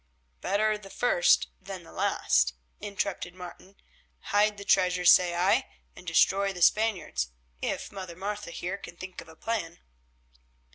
"Better the first than the last," interrupted Martin. "Hide the treasure, say I, and destroy the Spaniards, if Mother Martha here can think of a plan."